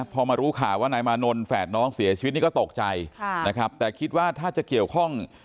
พอมารู้ข่าวว่านายมานนท์แฝดน้องเสียชีวิตนี่ก็ตกใจนะครับแต่คิดว่าถ้าจะเกี่ยวข้อง